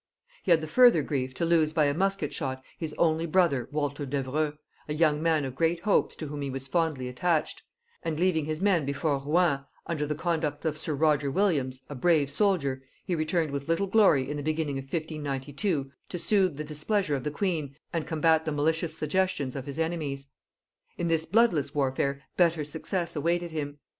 He had the further grief to lose by a musket shot his only brother Walter Devereux, a young man of great hopes to whom he was fondly attached; and leaving his men before Rouen, under the conduct of sir Roger Williams, a brave soldier, he returned with little glory in the beginning of 1592 to soothe the displeasure of the queen and combat the malicious suggestions of his enemies. In this bloodless warfare better success awaited him.